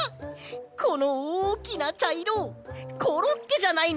このおおきなちゃいろコロッケじゃないの？